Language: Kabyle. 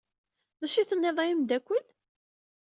D acu ay tennid a ameddakel?